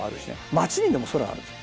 街にでも空はあるんですよ。